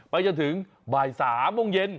จนถึงบ่าย๓โมงเย็น